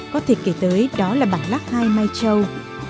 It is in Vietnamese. có thể kể tới đó là bảng lắc hai mai châu